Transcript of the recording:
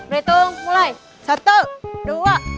rencang kanan gerak